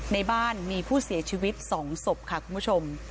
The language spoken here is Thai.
ในบ้านมีผู้เสียชีวิต๒ศพค่ะคุณผู้ชม